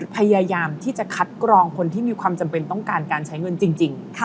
พยายามที่จะคัดกรองคนที่มีความจำเป็นต้องการการใช้เงินจริง